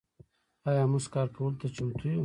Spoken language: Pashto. آیا موږ کار کولو ته چمتو یو؟